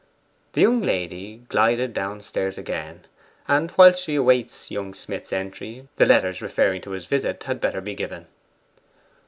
The young lady glided downstairs again, and whilst she awaits young Smith's entry, the letters referring to his visit had better be given.